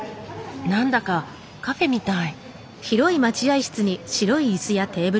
何だかカフェみたい。